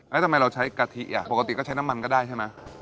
แล้วทำไมเราใช้กะทิอ่ะปกติก็ใช้น้ำมันก็ได้ใช่ไหม